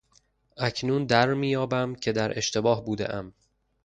اکنون درمییابم که در اشتباه بودهام.